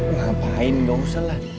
ngapain gak usah lah